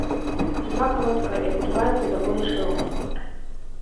Дзюба кароткая і адкрываецца даволі шырока.